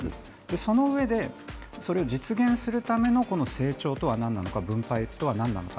そのうえで、それを実現するための成長とは何なのか、分配とはなんなのか。